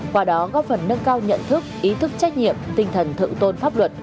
qua đó góp phần nâng cao nhận thức ý thức trách nhiệm tinh thần thượng tôn pháp luật